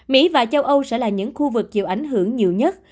mỹ và châu âu sẽ là những khu vực chịu ảnh hưởng nhiều nhất